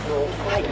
はい。